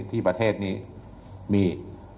ที่ประเทศนี้มี